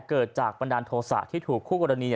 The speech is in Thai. เกิดจากบันดาลโทษะที่ถูกคู่กรณี